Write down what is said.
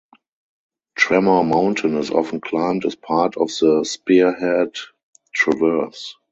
Tremor Mountain is often climbed as part of the "Spearhead Traverse".